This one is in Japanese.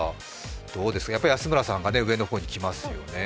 どうですか、やっぱり安村さんが上の方に来ますよね。